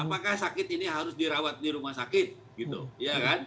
apakah sakit ini harus dirawat di rumah sakit gitu ya kan